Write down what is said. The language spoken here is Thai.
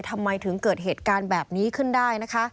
ทำไมถึงเกิดเหตุการณ์แบบนี้ขึ้นได้นะคะ